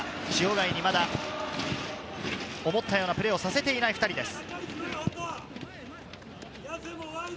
塩貝にまだ思ったようなプレーをさせていない２人です。